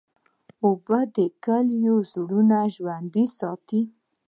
اوبه د کلیو زړونه ژوندی ساتي.